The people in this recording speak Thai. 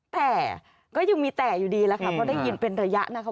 แต่ก็ยังมีแต่อยู่ดีแล้วค่ะเพราะได้ยินเป็นระยะนะคะ